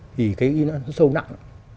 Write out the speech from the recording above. thì cái nó sâu nặng